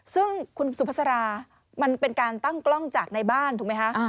ซึ่งคุณสุภาษามันเป็นการตั้งกล้องจากในบ้านถูกไหมคะ